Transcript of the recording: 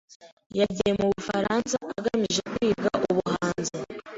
Yagiye mu Bufaransa agamije kwiga ubuhanzi.